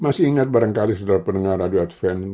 masih ingat barangkali saudara pendengar radio adveni